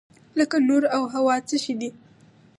لکه نور او هوا څه شی دي؟